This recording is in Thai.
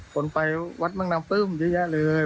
คนไปวัดเมืองนางปลื้มเยอะแยะเลย